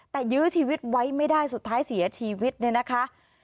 แต่ยื้อชีวิตไว้ไม่ได้สุดท้ายเสียชีวิตเนี่ยนะคะ